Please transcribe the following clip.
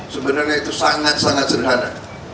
sebenarnya itu sangat sangat sederhana